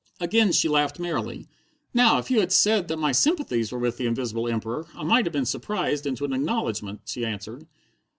Again she laughed merrily. "Now, if you had said that my sympathies were with the Invisible Emperor, I might have been surprised into an acknowledgment," she answered.